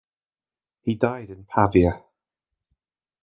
He died in Pavia.